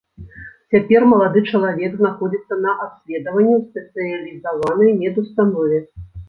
Цяпер малады чалавек знаходзіцца на абследаванні ў спецыялізаванай медустанове.